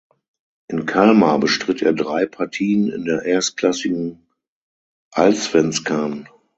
In Kalmar bestritt er drei Partien in der erstklassigen Allsvenskan.